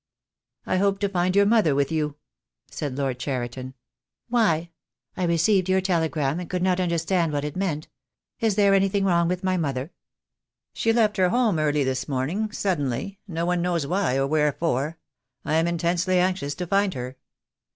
"I hoped to find your mother with you," said Lord Cheriton. "Why? I received your telegram, and could not 2 24 THE DAY WILL COME. understand what it meant. Is there anything wrong with my mother?" "She left her home early this morning — suddenly — no one knows why or wherefore. I am intensely anxious to find her."